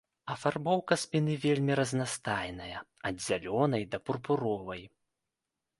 Афарбоўка спіны вельмі разнастайная, ад зялёнай, да пурпуровай.